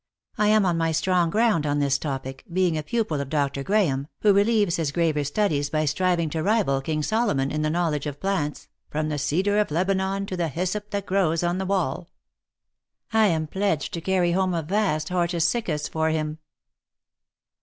I am on my strong ground on this topic, being a pupil of Dr. Graham, who relieves his graver studies by striving to rival King Solomon in the knowledge of plants, from the cedar of Lebanon to the hyssop that grows on the wall. I am pledged to carry home a vast hortus siccus for him."